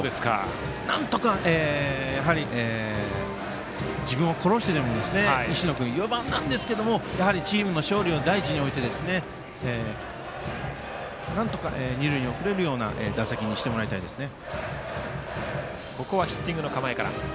なんとか自分を殺してでも石野君、４番ですがチームの勝利を第一に置いてなんとか二塁へ送れるような打席にしてほしいですね。